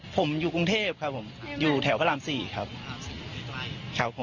ผมอยู่กรุงเทพครับผมอยู่แถวพระราม๔ครับผม